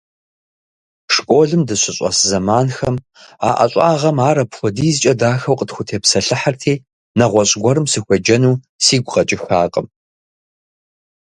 Школым дыщыщӀэс зэманхэм а ӀэщӀагъэм ар апхуэдизкӀэ дахэу къытхутепсэлъыхьырти, нэгъуэщӀ гуэрым сыхуеджэну сигу къэкӀыхакъым.